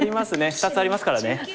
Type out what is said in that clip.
２つありますからね。